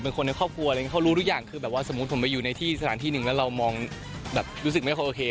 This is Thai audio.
คนในครอบครัวอะไรอย่างนี้เขารู้ทุกอย่างคือแบบว่าสมมุติผมไปอยู่ในที่สถานที่หนึ่งแล้วเรามองแบบรู้สึกไม่ค่อยโอเค